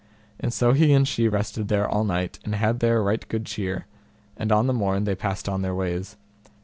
And so he and she rested there all night, and had there right good cheer, and on the morn they passed on their ways.